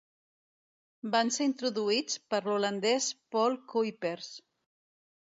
Van ser introduïts per l'holandès Paul Kuypers.